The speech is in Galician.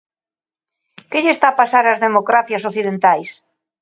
Que lle está a pasar ás democracias occidentais?